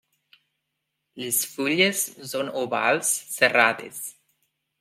Les fulles són ovals serrades.